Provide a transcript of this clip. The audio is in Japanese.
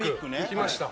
来ました。